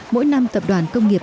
mỗi năm tập đoàn công nghiệp